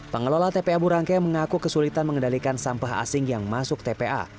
pengelola tpa burangke mengaku kesulitan mengendalikan sampah asing yang masuk tpa